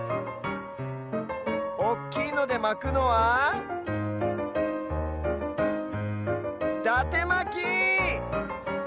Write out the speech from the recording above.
おっきいのでまくのはだてまき！